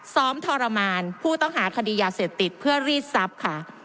ทรมานผู้ต้องหาคดียาเสพติดเพื่อรีดทรัพย์ค่ะ